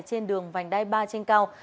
trên đường vành đai ba trên cao